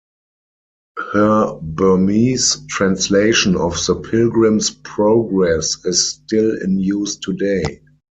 Her Burmese translation of "The Pilgrim's Progress" is still in use today.